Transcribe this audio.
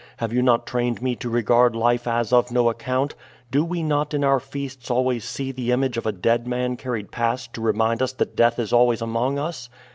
Have you not trained me to regard life as of no account? Do we not in our feasts always see the image of a dead man carried past to remind us that death is always among us?